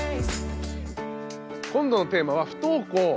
今度のテーマは不登校。